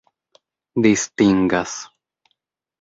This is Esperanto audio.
distingas